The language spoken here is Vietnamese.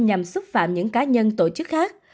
nhằm xúc phạm những cá nhân tổ chức khác